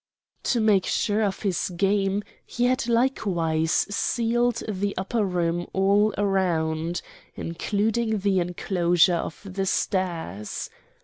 To make sure of his game he had likewise ceiled the upper room all around, including the enclosure of the stairs.